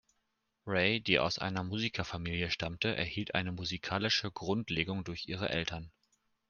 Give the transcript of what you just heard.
Ray, die aus einer Musikerfamilie stammte, erhielt eine musikalische Grundlegung durch ihre Eltern.